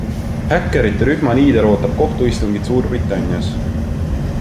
Häkkerite rühma liider ootab kohtuistungit Suurbritannias.